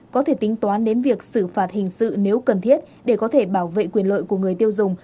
có thể tính toán đến việc xử phạt hình sự nếu cần thiết để có thể bảo vệ quyền lợi của người tiêu dùng